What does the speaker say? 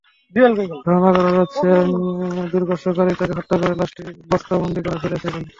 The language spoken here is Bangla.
ধারণা করা যাচ্ছে, দুষ্কৃতকারীরা তাকে হত্যা করে লাশটি বস্তাবন্দী করে ফেলে গেছে।